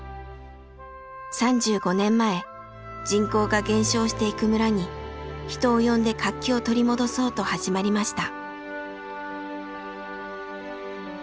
３５年前人口が減少していく村に人を呼んで活気を取り戻そうと始まりました。